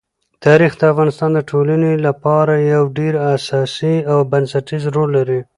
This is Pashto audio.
تاریخ د افغانستان د ټولنې لپاره یو ډېر اساسي او بنسټيز رول لري.